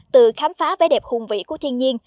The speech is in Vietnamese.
để khám phá vẻ đẹp hùng vị của thiên nhiên